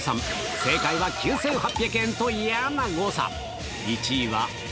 正解は９８００円と嫌な誤算。